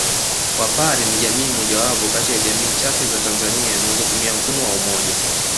Wapare ni jamii mojawapo kati ya jamii chache za Tanzania zinazotumia mfumo wa Umoja